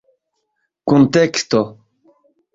kunteksto